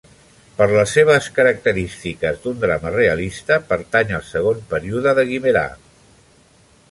Per les seves característiques d'un drama realista, pertany al segon període de Guimerà.